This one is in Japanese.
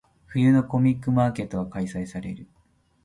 冬のコミックマーケットが開催される。